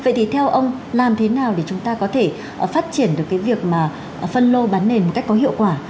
vậy thì theo ông làm thế nào để chúng ta có thể phát triển được cái việc mà phân lô bán nền một cách có hiệu quả